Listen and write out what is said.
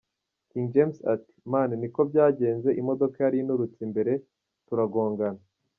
King james ati: “Man, niko byagenze, imodoka yari inturutse imbere, turagongana.